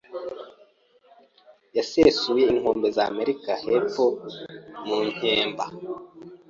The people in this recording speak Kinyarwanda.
Yasuye inkombe za Amerika yepfo mu kemba.